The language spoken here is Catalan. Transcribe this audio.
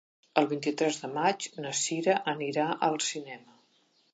El vint-i-tres de maig na Sira anirà al cinema.